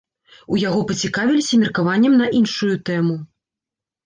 У яго пацікавіліся меркаваннем на іншую тэму.